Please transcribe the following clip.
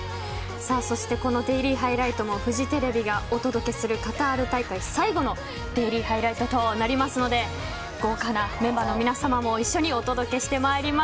そしてこのデイリーハイライトもフジテレビがお届けするカタール大会最後のデイリーハイライトとなりますので豪華なメンバーの皆様も一緒にお届けします。